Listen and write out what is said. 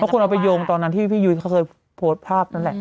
คนเอาไปโยงตอนนั้นที่พี่ยุ้ยเขาเคยโพสต์ภาพนั่นแหละ